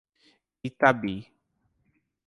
Itabi